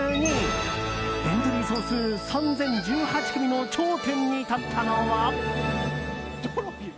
エントリー総数３０１８組の頂点に立ったのは。